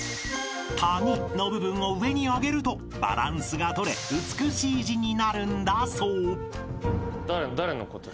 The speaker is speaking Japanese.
［「谷」の部分を上に上げるとバランスが取れ美しい字になるんだそう］